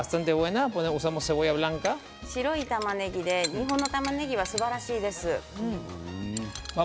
白いたまねぎで日本のたまねぎはすばらしいです。